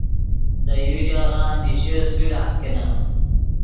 دے یو ژاغہ نیشے صلاح کینے